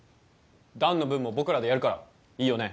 弾の分も僕らでやるからいいよね？